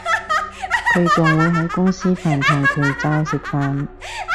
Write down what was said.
佢仲會喺公司飯堂除罩食飯